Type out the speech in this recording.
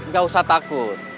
gak usah takut